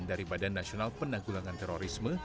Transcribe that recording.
dari badan nasional penanggulangan terorisme